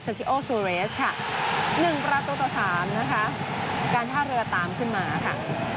ซิโอซูเรสค่ะ๑ประตูต่อสามนะคะการท่าเรือตามขึ้นมาค่ะ